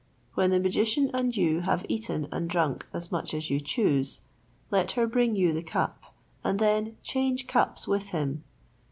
When the magician and you have eaten and drunk as much as you choose, let her bring you the cup, and then change cups with him.